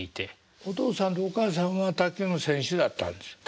お父さんとお母さんは卓球の選手だったんですか？